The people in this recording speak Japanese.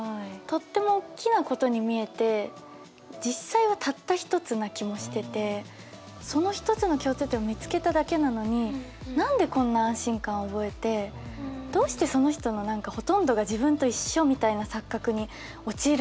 とってもおっきなことに見えて実際はたった１つな気もしててその１つの共通点を見つけただけなのに何でこんな安心感を覚えてどうしてその人のほとんどが自分と一緒みたいな錯覚に陥るんだろうっていうのが。